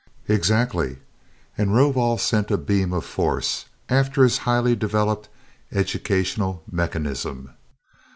"Exactly," and Rovol sent a beam of force after his highly developed educational mechanism.